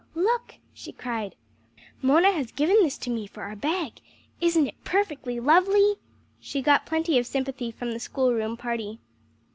"Look!" she cried. "Mona has given this to me for our bag! Isn't it perfectly lovely." She got plenty of sympathy from the school room party.